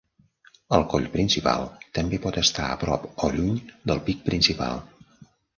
El coll principal també pot estar a prop o lluny del pic principal.